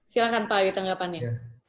silahkan pak wi tanggapannya